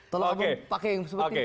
tolong pak edi pakai yang seperti ini